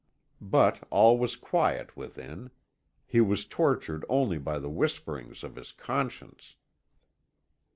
But all was quiet within; he was tortured only by the whisperings of his conscience.